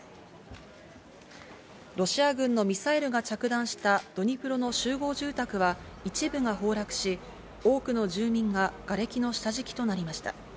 ロシア軍のミサイルが着弾したドニプロの集合住宅は一部が崩落し、多くの住民ががれきの下敷きとなりました。